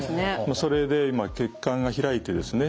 それで今血管が開いてですね